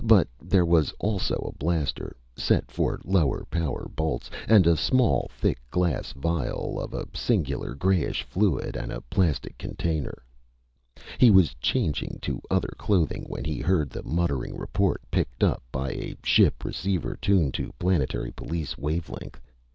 But there was also a blaster set for lower power bolts and a small thick glass phial of a singular grayish fluid, and a plastic container. He was changing to other clothing when he heard the muttering report, picked up by a ship receiver tuned to planetary police wave length.